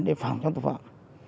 để phạm cho tội phạm